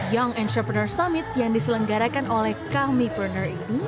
young entrepreneur summit yang diselenggarakan oleh kami partner ini